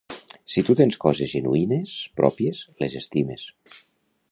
Si tu tens coses genuïnes, pròpies, les estimes.